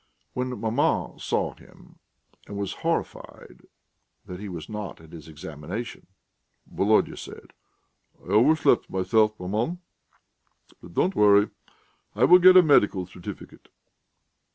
When maman saw him and was horrified that he was not at his examination, Volodya said: "I overslept myself, maman.... But don't worry, I will get a medical certificate."